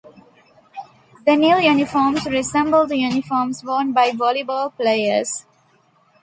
The new uniforms resemble the uniforms worn by volleyball players.